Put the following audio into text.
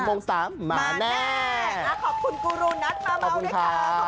โมง๓มาแน่ขอบคุณกูรูนัทมาเมาด้วยค่ะขอบคุณค่ะ